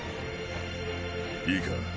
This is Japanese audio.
いいか？